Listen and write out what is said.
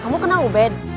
kamu kenal ubed